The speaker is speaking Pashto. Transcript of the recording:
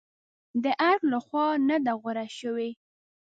د ارګ لخوا نه دي غوره شوې.